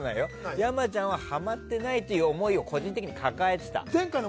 山ちゃんははまってないという思いを個人的に抱えてた。